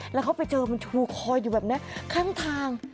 แล้วเขาไปเจอมันชูคออยู่แบบนี้ข้างทาง